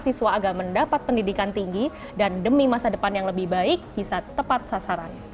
kepala kip kuliah mahasiswa agama mendapat pendidikan tinggi dan demi masa depan yang lebih baik bisa tepat sasaran